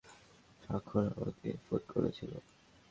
স্যাখর আমাকে ফোন করেছিল।